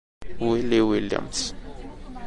Willie Williams